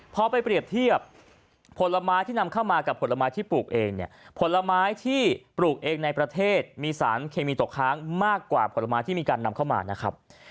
พอไปเปรียบเทียบผลไม้ที่นำเข้ามากับผลไม้ที่ปลูกเองเนี่ยผลไม้ที่ปลูกเองในประเทศมีสารเคมีตกค้างมากกว่าผลไม้ที่มีการนำเข้ามานะครับ